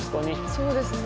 そうですね。